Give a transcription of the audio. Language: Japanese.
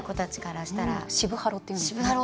「渋ハロ」っていうんですね。